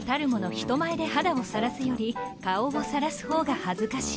人前で肌をさらすより顔をさらす方が恥ずかしい。